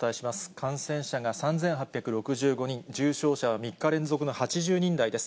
感染者が３８６５人、重症者は３日連続の８０人台です。